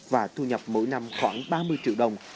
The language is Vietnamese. và thu nhập mỗi năm khoảng ba mươi triệu đồng